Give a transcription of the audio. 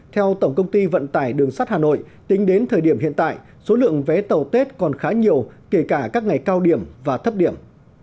theo tổng công ty vận tải đường sắt hà nội tính đến thời điểm hiện tại số lượng vé tàu tết còn khá nhiều kể cả các ngày cao điểm và thấp điểm